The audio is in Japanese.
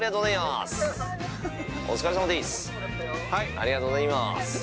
◆ありがとうございます。